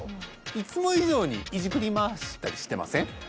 いつも以上にイジくりまわしたりしてません？